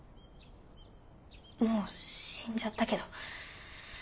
もう死んじゃったけど。